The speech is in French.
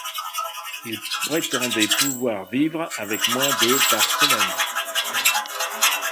Il prétendait pouvoir vivre avec moins de par semaine.